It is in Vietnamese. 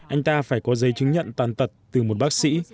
anh ta phải có giấy chứng nhận tàn tật từ một bác sĩ